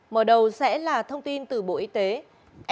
mở đầu sẽ là thông tin từ bộ y tế